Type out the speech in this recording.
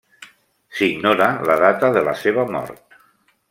S'ignora la data de la seva mort.